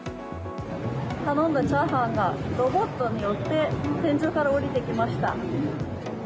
頼んだチャーハンがロボットによって天井から降りてきました。